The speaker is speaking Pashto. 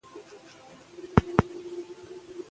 جي پي ایس د کابل سیمې په پښتو نه ښیي.